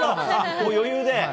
もう余裕で。